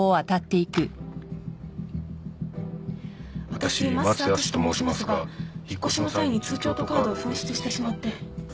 私升瀬淳史と申しますが引っ越しの際に通帳とカードを紛失してしまって。